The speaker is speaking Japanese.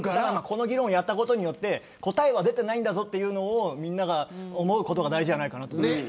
この議論をやったことによって答えは出ていないんだぞというのをみんなが思うことが大事だなと思っていて。